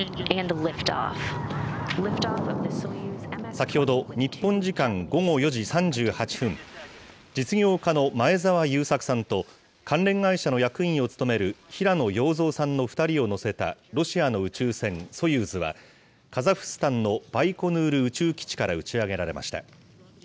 先ほど、日本時間午後４時３８分、実業家の前澤友作さんと、関連会社の役員を務める平野陽三さんの２人を乗せたロシアの宇宙船ソユーズは、カザフスタンのバイコヌール宇宙基地から打ち上げられました。